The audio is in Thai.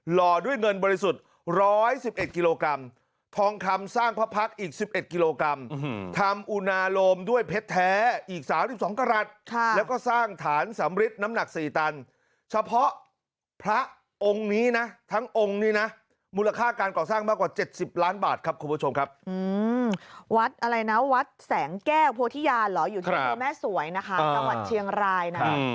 หล่อด้วยเงินบริสุทธิ์ร้อยสิบเอ็ดกิโลกรัมทองคำสร้างพระพักษณ์อีกสิบเอ็ดกิโลกรัมอืมอืมทำอุณาโลมด้วยเพชรแท้อีกสามสิบสองกระรัฐค่ะแล้วก็สร้างฐานสำริตน้ำหนักสี่ตันเฉพาะพระองค์นี้น่ะทั้งองค์นี้น่ะมูลค่าการก่อสร้างมากกว่าเจ็ดสิบล้านบาทครับคุณผู้ชมครับ